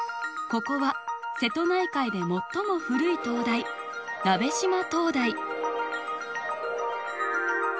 ここは瀬戸内海で最も古い灯台鍋島灯台。